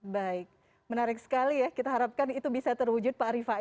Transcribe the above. baik menarik sekali ya kita harapkan itu bisa terwujud pak arifah